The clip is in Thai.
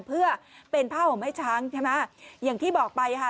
เพื่อเป็นผ้าห่มให้ช้างใช่ไหมอย่างที่บอกไปค่ะ